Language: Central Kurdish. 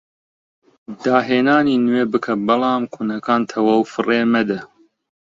داهێنانی نوێ بکە بەڵام کۆنەکان تەواو فڕێ مەدە